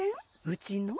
うちの？